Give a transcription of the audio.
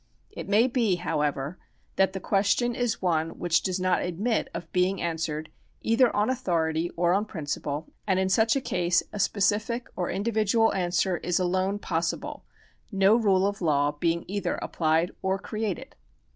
It may be, however, that the question is one which does not admit of being answered either on authority or on principle, and in such a case a specific or individual answer is alone possible, no rule of law being either applied or created.